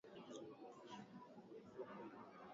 Hana raha kabisa.